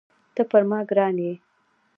ته پر ما ګران یې.